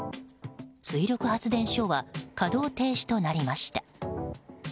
水力発電所は稼働停止となりました。